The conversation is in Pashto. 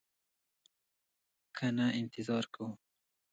که نه انتظار کوو.